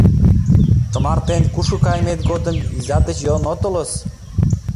— Тымартен кушко каймет годым изат деч йодын отылыс.